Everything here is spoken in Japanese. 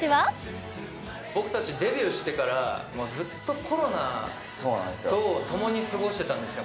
僕たち、デビューしてからもうずっとコロナと共に過ごしてたんですよ。